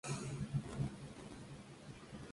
Inició su carrera en el Cortuluá.